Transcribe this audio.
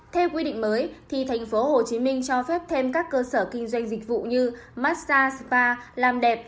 theo quy định mới tp hcm cho phép thêm các cơ sở kinh doanh dịch vụ như massage spa làm đẹp